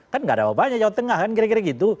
kan gak ada apa apanya jawa tengah kan kira kira gitu